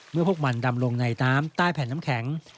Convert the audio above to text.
พวกมันดำลงในน้ำใต้แผ่นน้ำแข็ง